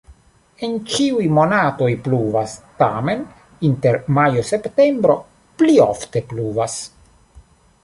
En ĉiuj monatoj pluvas, tamen inter majo-septempbro pli ofte pluvas.